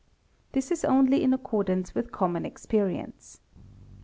This is only in accordance with common experience.